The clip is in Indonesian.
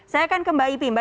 saya akan ke mbak ipi mbak